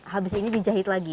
habis ini dijahit lagi